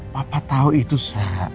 papa tau itu sa